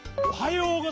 おはよう。